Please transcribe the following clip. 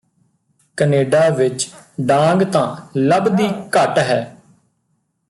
Canada ਵਿੱਚ ਡਾਂਗ ਤਾਂ ਲੱਭਦੀ ਘੱਟ ਹੈ